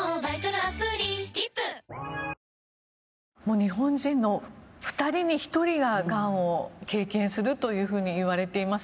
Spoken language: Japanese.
日本人の２人に１人ががんを経験するといわれています。